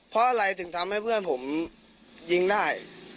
เพราะอะไรถึงทำให้เพื่อนผมยิงได้